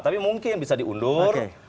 tapi mungkin bisa diundur